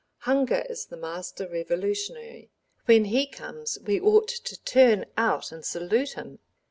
Hunger is the master revolutionary. When he comes we ought to turn out and salute him.